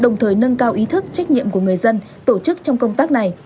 đồng thời nâng cao ý thức trách nhiệm của người dân tổ chức trong công tác này